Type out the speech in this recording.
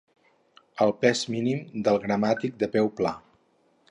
El pes mínim del gramàtic de peu pla.